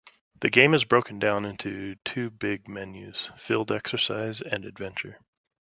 The game is broken down into two big menus: field exercise and adventure.